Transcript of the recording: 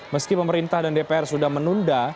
meski pemerintah dan dpr sudah menunda